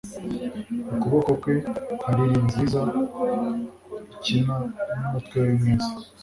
ukuboko kwe, nka lili nziza, ikina n'umutwe we mwiza